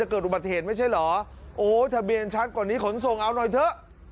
เกิดอุบัติเหตุไม่ใช่เหรอโอ้ทะเบียนชัดกว่านี้ขนส่งเอาหน่อยเถอะ